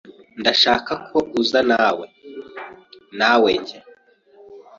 ndashaka ko uzanawe nawenjye.